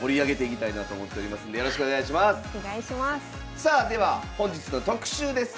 さあでは本日の特集です。